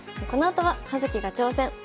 このあとは「葉月が挑戦！」。